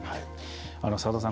沢田さん